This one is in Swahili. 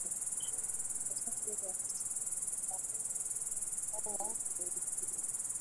wachache wa kusafiri karibu na mkoa mwingine